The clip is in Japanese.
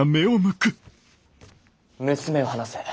娘を離せ。